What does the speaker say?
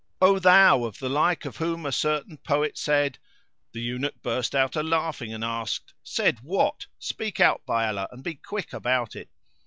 O thou of the like of whom a certain poet said " The Eunuch burst out a laughing and asked—"Said what? Speak out by Allah and be quick about it."